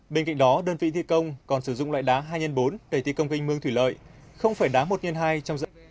bên cạnh đó đơn vị thi công còn sử dụng loại đá hai x bốn để thi công kinh mương thủy lợi không phải đá một x hai trong dự án